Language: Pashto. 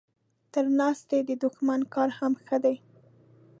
تر ناستي د دښمن کار هم ښه دی.